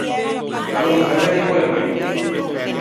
Alon, fæ vedde un pö e moen!